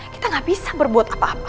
kita gak bisa berbuat apa apa